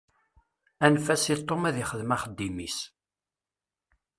Anef-as i Tom ad ixdem axeddim-is.